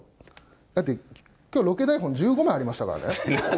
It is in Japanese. だってきょうロケ台本、１５枚ありましたからね。